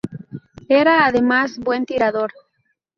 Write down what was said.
Era además buen tirador.